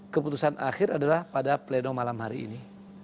keputusan akhir adalah pada pleno malam hari ini